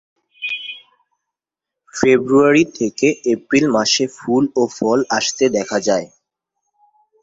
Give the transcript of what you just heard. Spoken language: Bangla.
ফেব্রুয়ারি থেকে এপ্রিল মাসে ফুল ও ফল আসতে দেখা যায়।